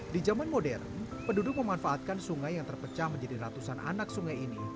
di zaman modern penduduk memanfaatkan sungai yang terpecah menjadi ratusan anak sungai ini